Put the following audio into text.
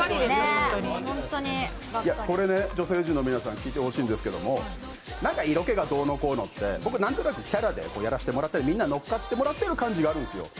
これね、女性陣の皆さん、聞いてほしいんですけど色気がどうのこうのって僕なんとなくキャラでやらせてもらったりみんなのっかってもらってる感じがあるんですよ。